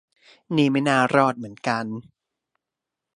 นี่ไม่น่ารอดเหมือนกัน